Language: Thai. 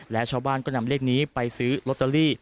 และชาวบ้านก็นำเลขนี้ไปซื้อลอตเตอรี่